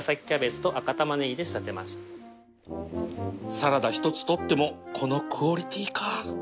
サラダ一つとってもこのクオリティーか